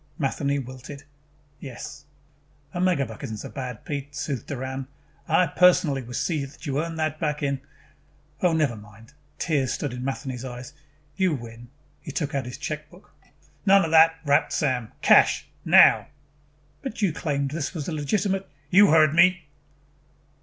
Matheny wilted. "Yes." "A megabuck isn't so bad, Pete," soothed Doran. "I personally will see that you earn it back in " "Oh, never mind." Tears stood in Matheny's eyes. "You win." He took out his checkbook. "None of that," rapped Sam. "Cash. Now." "But you claimed this was a legitimate " "You heard me."